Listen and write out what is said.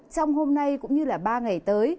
trong hôm nay cũng như là ba ngày tới